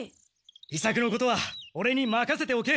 伊作のことはオレにまかせておけ。